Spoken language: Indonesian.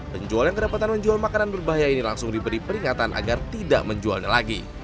penjual yang kedapatan menjual makanan berbahaya ini langsung diberi peringatan agar tidak menjualnya lagi